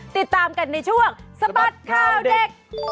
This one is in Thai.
ติดตามกันในช่วงสะบัดข่าวเด็ก